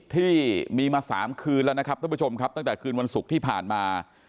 ที่มีมา๓คืนแล้วนะครับท่านผู้ชมครับตั้งแต่คืนวันศุกร์ที่ผ่านมา